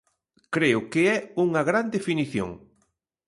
Creo que é unha gran definición.